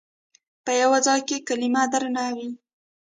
په یوه ځای کې کلمه درنه وي.